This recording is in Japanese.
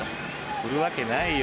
振るわけないよ